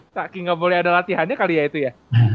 saking ga boleh ada latihannya kali ya itu ya